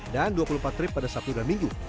dan dua puluh empat trip pada sabtu dan minggu